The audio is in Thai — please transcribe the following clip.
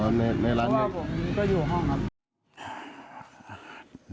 เพราะว่าบางคนก็อยู่ห้องครับ